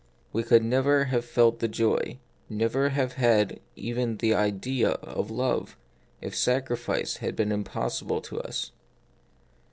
We could never have felt the joy, never have had even the idea, of love, if sacrifice had been impossible to us.